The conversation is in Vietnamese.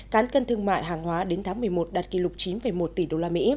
cán cân thương mại hàng hóa đến tháng một mươi một đạt kỷ lục chín một tỷ usd